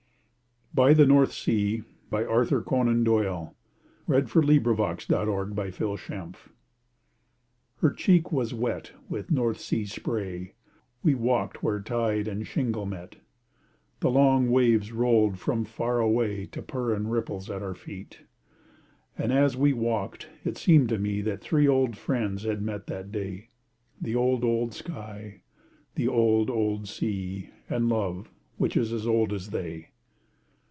— I know him selfish, cold and vain; But, oh! he's all the world to me! BY THE NORTH SEA Her cheek was wet with North Sea spray, We walked where tide and shingle meet; The long waves rolled from far away To purr in ripples at our feet. And as we walked it seemed to me That three old friends had met that day, The old, old sky, the old, old sea, And love, which is as old as they.